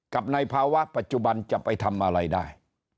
ในภาวะปัจจุบันจะไปทำอะไรได้